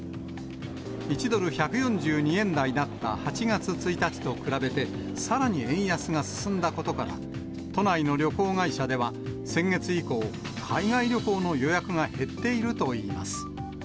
１ドル１４２円台だった８月１日と比べて、さらに円安が進んだことから、都内の旅行会社では、先月以降、海外旅行の予約が減っているといいます。